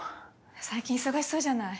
最近忙しそうじゃない。